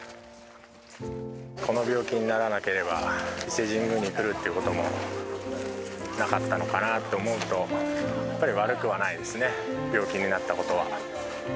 この病気にならなければ、伊勢神宮に来るっていうこともなかったのかなと思うと、やっぱり悪くはないですね、病気になったことは。